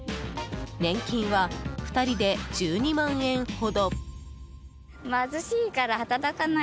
年金は２人で１２万円ほど。